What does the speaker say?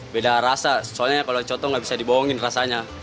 beda rasa soalnya kalau yotob gak bisa dibawangin rasanya